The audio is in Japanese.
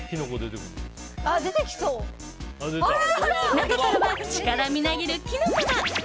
中からは力みなぎるキノコが！